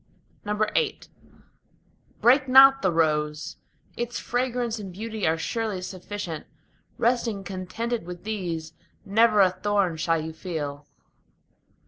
VIII Break not the rose; its fragrance and beauty are surely sufficient: Resting contented with these, never a thorn shall you feel.